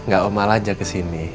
gak om aung ajak kesini